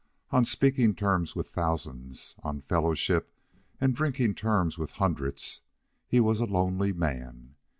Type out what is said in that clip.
On speaking terms with thousands, on fellowship and drinking terms with hundreds, he was a lonely man.